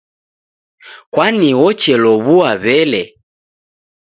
Kwani wocheluw'ua w'ele.